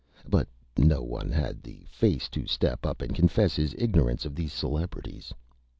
But no one had the Face to step up and confess his Ignorance of these Celebrities.